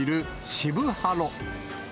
渋ハロ。